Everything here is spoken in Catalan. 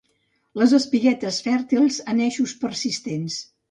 Les espiguetes fèrtils en eixos persistents.